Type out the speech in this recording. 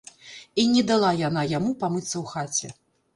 І не дала яна яму памыцца ў хаце.